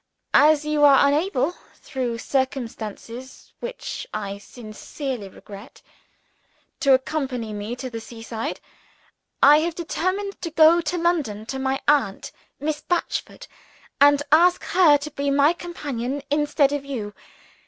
As you are unable, through circumstances which I sincerely regret, to accompany me to the sea side, I have determined to go to London to my aunt, Miss Batchford, and to ask her to be my companion instead of you.